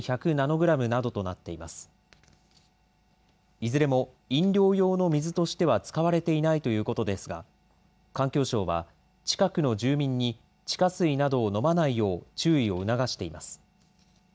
いずれも飲料用の水としては使われていないということですが、環境省は、近くの住民に地下水などを飲まないよう注意を促しています。